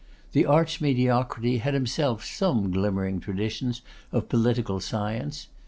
The Arch Mediocrity had himself some glimmering traditions of political science.